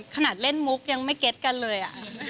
ขนาดเล่นมุกยังไม่เก็ตกันเลย